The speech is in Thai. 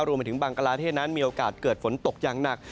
รวมไปถึงบังกลาเทศนั้นมีโอกาสเกิดฝนตกอย่างหนัก